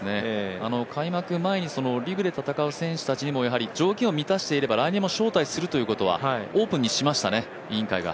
開幕前にリブで戦う選手たちも条件を満たしていれば、来年も招待するということは、オープンにしましたね、委員会が。